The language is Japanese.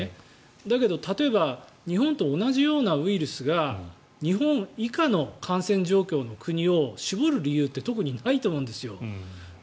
だけど例えば日本と同じようなウイルスが日本以下の感染状況の国を絞る理由って特にないと思うんですよ。